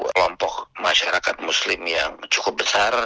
kelompok masyarakat muslim yang cukup besar